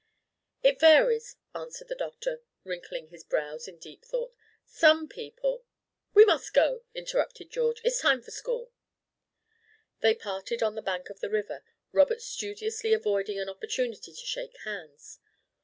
"It varies," answered the Doctor, wrinkling his brows in deep thought. "Some people" "We must go," George interrupted. "It's time for school." They parted on the bank of the river, Robert studiously avoiding an opportunity to shake hands.